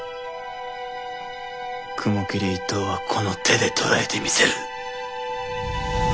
雲霧一党はこの手で捕らえてみせる。